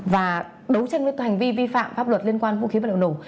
và đấu tranh với hành vi vi phạm pháp luật liên quan vũ khí vận động nổ